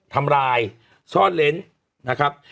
ทำร้ายซ่อนเล้นนะครับ